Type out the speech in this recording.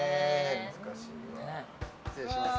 難しいわ失礼します